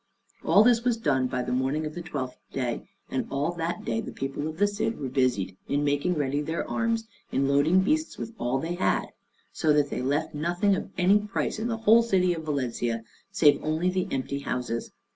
All this was done by the morning of the twelfth day; and all that day the people of the Cid were busied in making ready their arms, and in loading beasts with all that they had, so that they left nothing of any price in the whole city of Valencia, save only the empty houses.